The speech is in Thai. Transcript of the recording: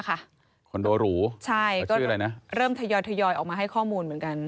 คอนโดหรูใช่ก็เริ่มทยอยทยอยออกมาให้ข้อมูลเหมือนกัน